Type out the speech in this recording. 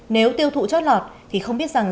nếu tiêu thụ chót lọt thì không biết rằng